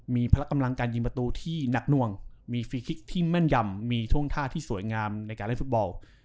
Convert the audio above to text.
มีพละกำลังการยิงประตูที่หนักหน่วงมีฟรีคลิกที่แม่นยำมีท่วงท่าที่สวยงามในการเล่นฟุตบอล